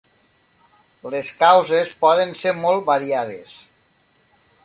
Les causes poden ser molt variades.